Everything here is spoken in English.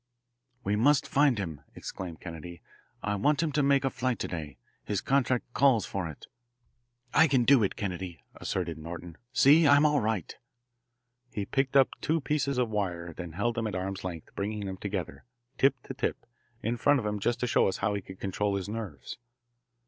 "We must find him," exclaimed Kennedy. "I want him to make a flight to day. His contract calls for it." "I can do it, Kennedy," asserted Norton. "See, I'm all right." He picked up two pieces of wire and held them at arm's length, bringing them together, tip to tip, in front of him just to show us how he could control his nerves.